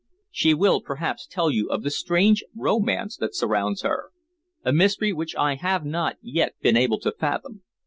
"She will perhaps tell you of the strange romance that surrounds her a mystery which I have not yet been able to fathom.